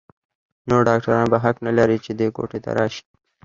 نور ډاکتران به حق نه لري چې دې کوټې ته راشي.